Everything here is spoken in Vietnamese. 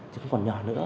chứ không còn nhỏ nữa